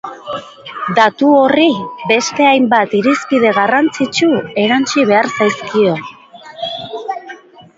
Datu horri, beste hainbat irizpide garrantzitsu erantsi behar zaizkio.